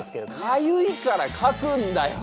かゆいからかくんだよ。